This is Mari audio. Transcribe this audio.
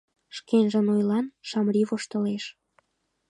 Шкенжын ойлан Шамрай воштылеш.